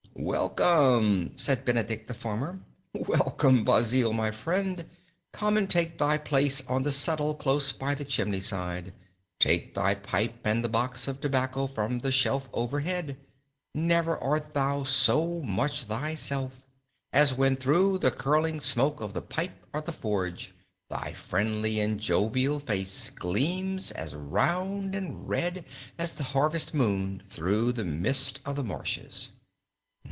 "Welcome," said Benedict the farmer, "welcome, Basil, my friend. Come and take thy place on the settle close by the chimney side. Take thy pipe and the box of tobacco from the shelf overhead. Never art thou so much thyself as when through the curling smoke of the pipe or the forge thy friendly and jovial face gleams as round and red as the harvest moon through the mist of the marshes."